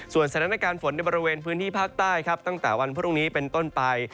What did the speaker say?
สถานการณ์ฝนในบริเวณพื้นที่ภาคใต้ครับตั้งแต่วันพรุ่งนี้เป็นต้นไป